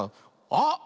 あっ！